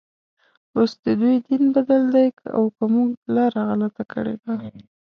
اوس ددوی دین بدل دی او که موږ لاره غلطه کړې ده.